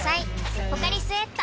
「ポカリスエット」